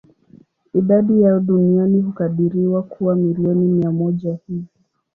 Idadi yao duniani hukadiriwa kuwa milioni mia moja hivi.